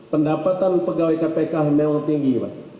pendapatan pegawai kpk memang tinggi pak